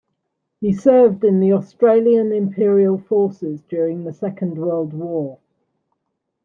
He served in the Australian Imperial Forces during the Second World War.